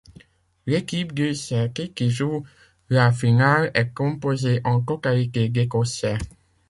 L’équipe du Celtic qui joue la finale est composée en totalité d’écossais.